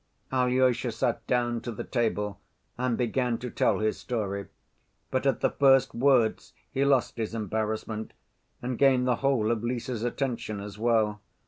Alyosha sat down to the table and began to tell his story, but at the first words he lost his embarrassment and gained the whole of Lise's attention as well.